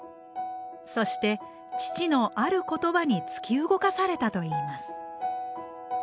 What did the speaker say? そして父のある言葉に突き動かされたといいます。